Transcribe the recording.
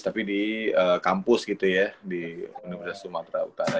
tapi di kampus gitu ya di universitas sumatera utara